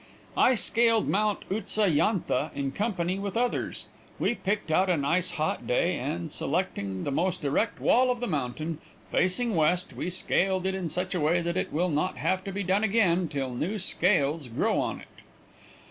I scaled Mount Utsa yantha in company with others. We picked out a nice hot day, and, selecting the most erect wall of the mountain, facing west, we scaled it in such a way that it will not have to be done again till new scales grow on it.